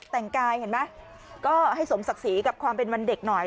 แต่งกายเห็นไหมก็ให้สมศักดิ์ศรีกับความเป็นวันเด็กหน่อย